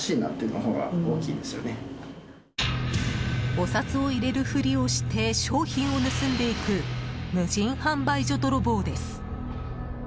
お札を入れるふりをして商品を盗んでいく無人販売所泥棒です。